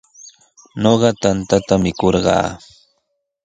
Ñuqa tantata mikurqaa.